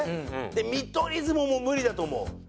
見取り図ももう無理だと思う。